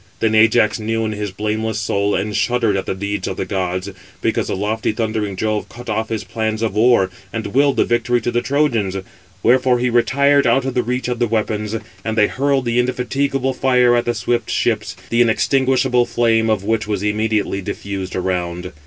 Then Ajax knew in his blameless soul, and shuddered at the deeds of the gods; because the lofty thundering Jove cut off his plans of war, and willed the victory to the Trojans. Wherefore he retired out of the reach of the weapons, and they hurled the indefatigable fire at the swift ships, the inextinguishable flame of which was immediately diffused around.